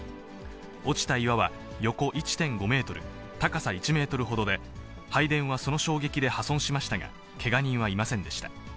落ちた岩は、横１．５メートル、高さ１メートルほどで、拝殿はその衝撃で破損しましたが、けが人はいませんでした。